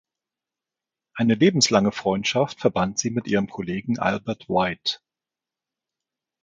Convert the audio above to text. Eine lebenslange Freundschaft verband sie mit ihrem Kollegen Albert White.